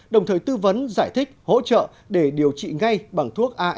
đồng thời tư vấn giải thích hỗ trợ để điều trị ngay bằng thuốc a